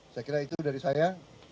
saya kira itu dari saya